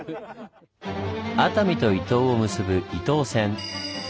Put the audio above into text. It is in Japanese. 熱海と伊東を結ぶ伊東線。